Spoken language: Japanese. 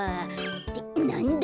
ってなんだ？